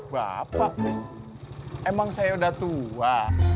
bapak emang saya udah tua